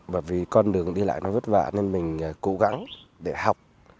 bởi vì con đường đi lại nó vất vả nên mình cố gắng để học